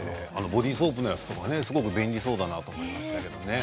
ボディーソープとかすごく便利そうだなと思いました。